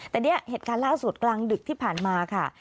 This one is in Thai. แต่เนี่ยเหตุการณ์ล่าสุดกลางดึกที่ผ่านมาค่ะ